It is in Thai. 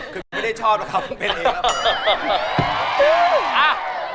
คือไม่ได้ชอบนะคะผมเป็นเองครับผม